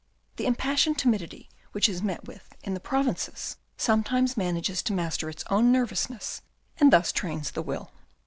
The impassioned timidity which is met with in the provinces, sometimes manages to master its own nervousness, and thus trains the will.